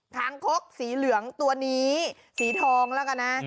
คางคกสีเหลืองตัวนี้สีทองแล้วกันนะ